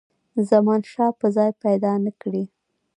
زمانشاه به ځای پیدا نه کړي.